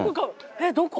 えっどこ？